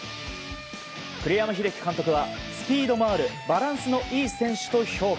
栗山英樹監督はスピードもあるバランスのいい選手と評価。